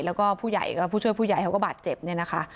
แล้วก็ผู้ช่วยผู้ใหญ่เขาก็บาดเจ็บเนี่ยนะคะ